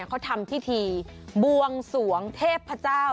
เขาทำที่ที่บวงสวงเทพพระเจ้า